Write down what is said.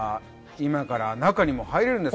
今から中にも入れるんですか？